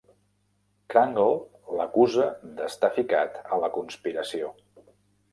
Crangle l'acusa d'estar ficat a la conspiració.